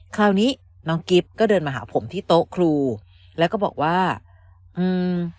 คราวนี้น้องกิ๊บก็เดินมาหาผมที่โต๊ะครูแล้วก็บอกว่าอืม